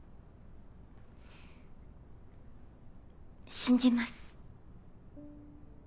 信じます。